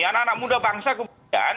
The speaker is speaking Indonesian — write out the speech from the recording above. anak anak muda bangsa kemudian